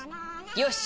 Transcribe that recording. よし！